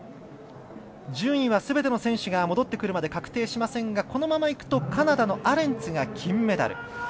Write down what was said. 順位はすべての選手が戻ってくるまで確定しませんが、このままいくとカナダのアレンツが金メダル。